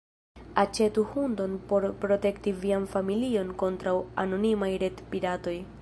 Aĉetu hundon por protekti vian familion kontraŭ anonimaj retpiratoj.